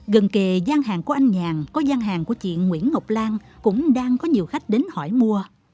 gần kề gian hàng của anh nhàng có gian hàng của chị nguyễn ngọc lan cũng đang có nhiều khách đến hỏi mua